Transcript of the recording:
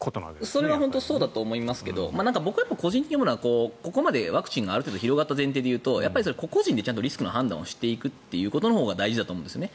それは本当にそうだと思いますが僕は個人的に思うのはここまでワクチンが広がった前提で言うと個々人でリスクの判断をしていくということが大事だと思うんですよね。